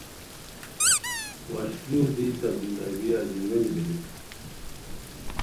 وشلیو دی تہ زندگیہ اژیروینی بیلیک